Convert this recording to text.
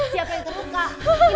siapa yang terluka